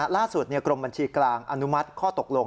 กรมบัญชีกลางอนุมัติข้อตกลง